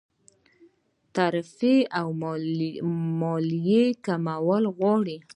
تعرفې او مالیې کمول غواړي.